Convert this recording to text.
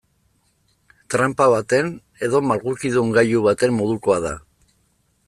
Tranpa baten edo malgukidun gailu baten modukoa da.